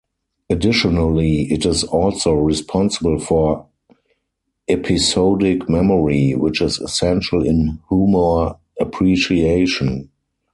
Additionally, it is also responsible for episodic memory, which is essential in humor appreciation.